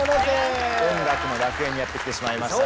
音楽の楽園にやって来てしまいました。